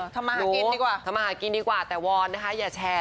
ทำมาหากินดีกว่าแต่วอนนะคะอย่าแชร์